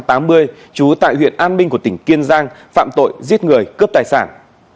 trú tại huyện an minh của tỉnh kiên giang phạm tội giết người cướp tài sản